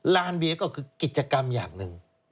ลานเบียก็คือกิจกรรมอย่างหนึ่ง